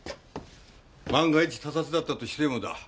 万が一他殺だったとしてもだ